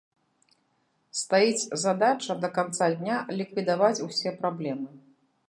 Стаіць задача да канца дня ліквідаваць усе праблемы.